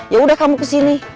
yaudah kamu kesini